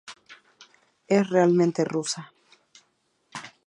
Es realmente rusa.